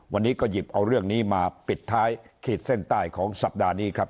วันนี้ก็หยิบเอาเรื่องนี้มาปิดท้ายขีดเส้นใต้ของสัปดาห์นี้ครับ